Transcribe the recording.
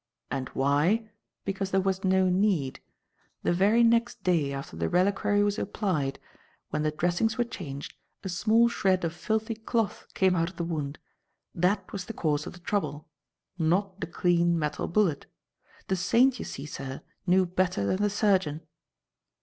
And why? Because there was no need. The very next day after the reliquary was applied, when the dressings were changed, a small shred of filthy cloth came out of the wound. That was the cause of the trouble, not the clean metal bullet. The saint, you see, sir, knew better than the surgeon."